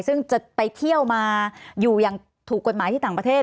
ซึ่งจะไปเที่ยวมาอยู่อย่างถูกกฎหมายที่ต่างประเทศ